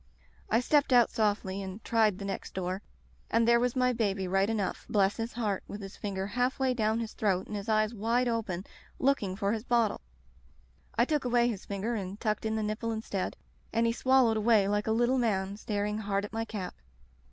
I stepped out softly and tried the next door, and there was my baby right enough, bless his heart, with his finger half way down his throat and his eyes wide open, looking for his bottle. I took away his finger and tucked in the nipple instead, and he swallowed away like a little man, staring hard at my cap.